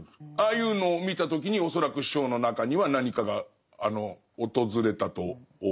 ああいうのを見た時に恐らく師匠の中には何かが訪れたと思う。